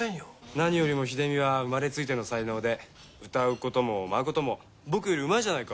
何よりも秀美は生まれついての才能で謡うことも舞うことも僕よりうまいじゃないか。